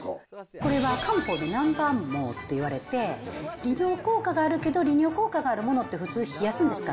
これは漢方で南蛮毛っていわれて、利尿効果があるけど、利尿効果があるものって普通冷やすんです、体。